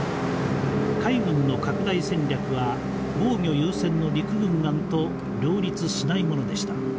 海軍の拡大戦略は防御優先の陸軍案と両立しないものでした。